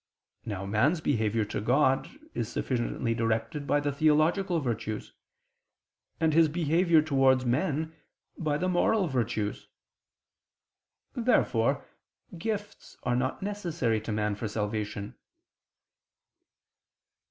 Now man's behavior to God is sufficiently directed by the theological virtues; and his behavior towards men, by the moral virtues. Therefore gifts are not necessary to man for salvation.